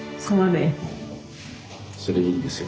それいいですよ。